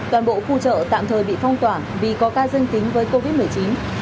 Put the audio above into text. toàn bộ khu chợ tạm thời bị phong tỏa vì có ca dân tính với covid một mươi chín